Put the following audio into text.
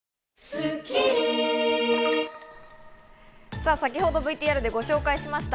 さぁ、先ほどＶＴＲでご紹介しました